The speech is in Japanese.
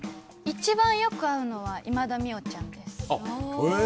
一番よく会うのは、今田美桜ちゃんです。